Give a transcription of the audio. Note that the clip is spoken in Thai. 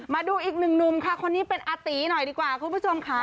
มาดูอีกหนึ่งหนุ่มค่ะคนนี้เป็นอาตีหน่อยดีกว่าคุณผู้ชมค่ะ